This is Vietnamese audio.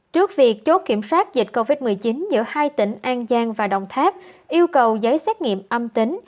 trước việc chốt kiểm soát dịch covid một mươi chín giữa hai tỉnh an giang và đồng tháp yêu cầu giấy xét nghiệm âm tính